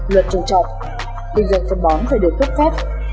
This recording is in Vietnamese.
bình luận phân bón phải được cấp phép